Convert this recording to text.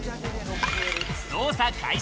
捜査開始！